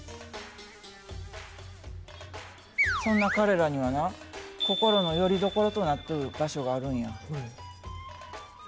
そんな彼らにはな心のよりどころとなっとる場所があるんや。